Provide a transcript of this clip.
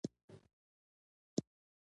له اروپايي ټولنې غوښتي